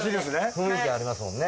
雰囲気ありますもんね。